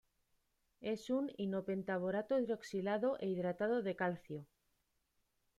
Es un ino-pentaborato hidroxilado e hidratado de calcio.